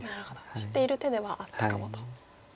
知っている手ではあったかもと。